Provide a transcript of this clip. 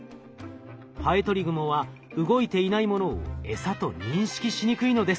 ハエトリグモは動いていないものを餌と認識しにくいのです。